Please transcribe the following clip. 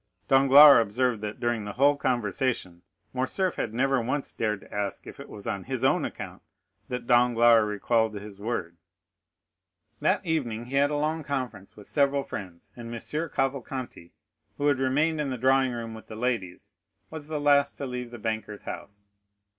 Danglars observed that during the whole conversation Morcerf had never once dared to ask if it was on his own account that Danglars recalled his word. That evening he had a long conference with several friends; and M. Cavalcanti, who had remained in the drawing room with the ladies, was the last to leave the banker's house.